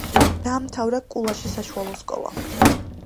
დაამთავრა კულაშის საშუალო სკოლა.